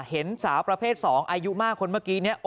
เห็นสาวประเภท๒อายุมากคนเมื่อกี้นี้